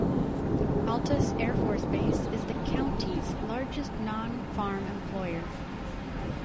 Altus Air Force Base is the county's largest non-farm employer.